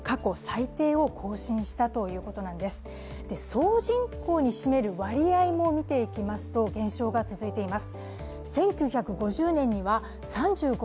総人口に占める割合も見ていきますと減少が続いています。